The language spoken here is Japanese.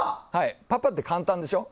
パパって簡単でしょ。